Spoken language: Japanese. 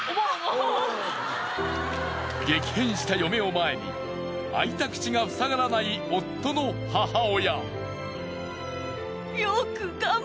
激変した嫁を前にあいた口が塞がらない夫の母親。